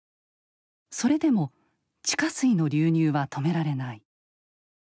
それでも地下水の流入は止められない。